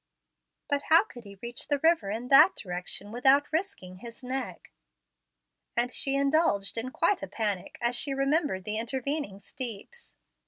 "But how could he reach the river in that direction without risking his neck?" and she indulged hi quite a panic as she remembered the intervening steeps.